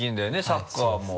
サッカーも。